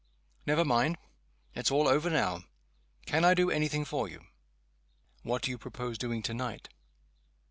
Never mind. It's all over now. Can I do any thing for you?" "What do you propose doing to night?"